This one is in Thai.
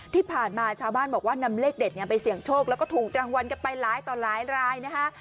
ที่ผ่านมาชาวบ้านบอกว่านำเลขเด็ดไปเสี่ยงโชคแล้วก็ถูกรางวัลกันไปหลายต่อหลายรายนะคะ